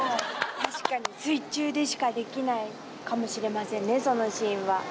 確かに、水中でしかできないかもしれませんね、そのシーンは。